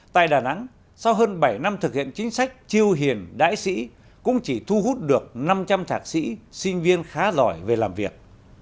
tại đà nẵng sau hơn bảy năm thực hiện chính sách triêu hiền đại sĩ cũng chỉ thu hút được năm trăm linh thạc sĩ sinh viên khá giỏi về làm việc